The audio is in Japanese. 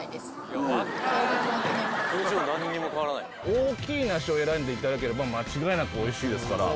大きい梨を選んでいただければ間違いなくおいしいですから。